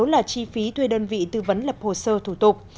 và chi phí thuê đơn vị tư vấn lập hồ sơ thủ tục